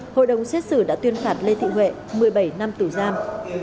hội đồng xét xử đã tuyên phạt lê thị huệ một mươi bảy năm tù giam